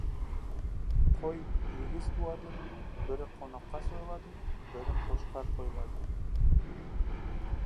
Қой егіз туады: бірі қонаққа сойылады, бірі қошқар қойылады.